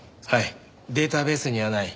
はい。